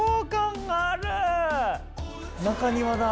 中庭だ。